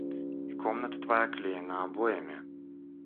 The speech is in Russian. И комната твоя оклеена обоями.